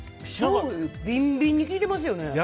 しょうゆ、ビンビンに効いてますよね。